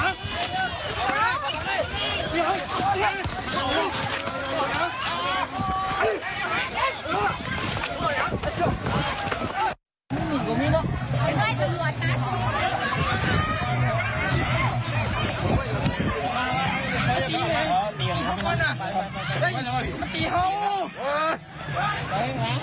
โต